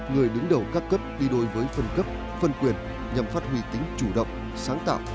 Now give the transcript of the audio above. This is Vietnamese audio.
người đứng đầu các cấp đi đôi với phân cấp phân quyền nhằm phát huy tính chủ động sáng tạo